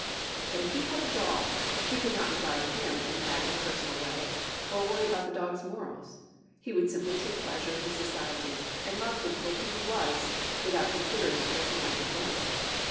But if he had a dog he could not regard him in that impersonal way, or worry about the dog's morals: he would simply take pleasure in his society, and love him for what he was, without considering what he might have been.